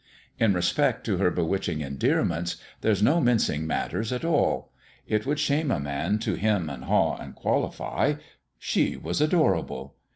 In respect to her bewitching endearments, there's no mincing matters, at all. It would shame a man to 'hem and haw and qualify. She was adorable.